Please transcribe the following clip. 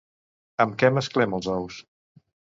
Amb què mesclem els ous?